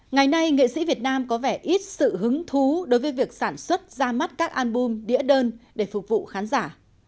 ngày nay nghệ sĩ việt nam có vẻ ít sự hứng thú đối với việc sản xuất ra mắt các album đĩa đơn để phục vụ khán giả